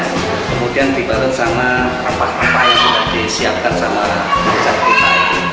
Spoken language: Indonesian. kemudian dibalut sama rempah rempah yang sudah disiapkan sama peserta